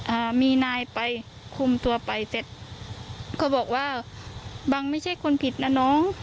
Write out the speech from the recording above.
อ่ามีนายไปคุมตัวไปเสร็จเขาบอกว่าบังไม่ใช่คนผิดนะน้อง